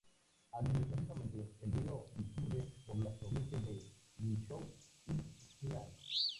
Administrativamente, el río discurre por las provincias de Guizhou y Yunnan.